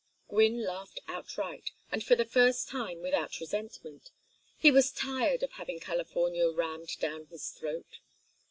Gwynne laughed outright, and for the first time without resentment; he was tired of having California "rammed down his throat."